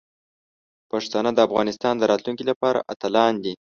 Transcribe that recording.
پښتانه د افغانستان د راتلونکي لپاره اتلان دي.